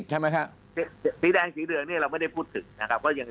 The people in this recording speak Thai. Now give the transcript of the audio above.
ใช่ไหมฮะสีแดงสีเหลืองเนี่ยเราไม่ได้พูดถึง